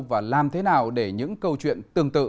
và làm thế nào để những câu chuyện tương tự